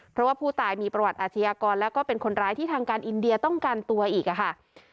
เพราะว่าผู้ตายมีประวัติอาชญากรแล้วก็เป็นคนร้ายที่ทางการอินเดียต้องการตัวอีกค่ะ